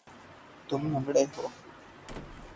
تم لنگڑے ہو